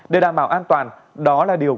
để đảm bảo an toàn đó là điều